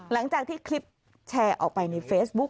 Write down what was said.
หลังจากที่คลิปแชร์ออกไปในเฟซบุ๊ค